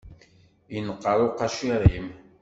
Inqer uqacir-im.